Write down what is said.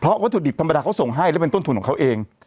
วัตถุดิบธรรมดาเขาส่งให้และเป็นต้นทุนของเขาเอง